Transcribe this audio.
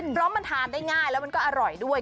เพราะมันทานได้ง่ายแล้วมันก็อร่อยด้วย